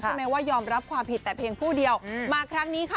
ใช่ไหมว่ายอมรับความผิดแต่เพียงผู้เดียวมาครั้งนี้ค่ะ